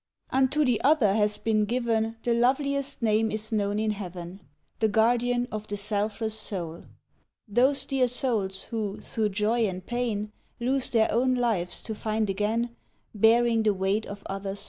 Unto the other has been given The loveliest name is known in Heaven, " The Guardian of the Selfless Soul," Those dear souls, who through joy and pain Lose their own lives to find again, Bearing the weight of other's dole.